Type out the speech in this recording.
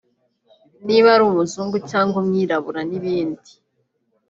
niba ari umuzungu cyangwa umwirabura n’ibindi